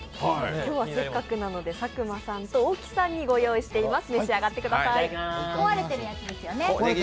今日はせっかくなので佐久間さんと大木さんにご用意しています。